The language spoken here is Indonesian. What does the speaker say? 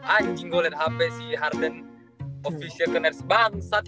anjing gue liat hp si harden official kena nerser bangsat